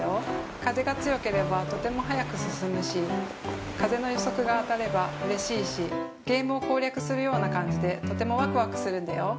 風が強ければとても速く進むし風の予測が当たればうれしいしゲームを攻略するような感じでとてもワクワクするんだよ。